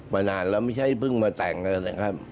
นานแล้วไม่ใช่เพิ่งมาแต่งกันนะครับ